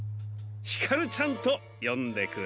ひかるちゃんとよんでくれ。